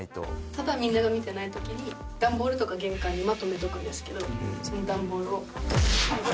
ただみんなが見てない時に段ボールとか玄関にまとめとくんですけどその段ボールを。